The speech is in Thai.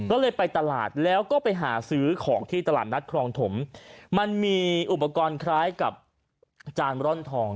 ก็เลยไปตลาดแล้วก็ไปหาซื้อของที่ตลาดนัดครองถมมันมีอุปกรณ์คล้ายกับอาจารย์ร่อนทอง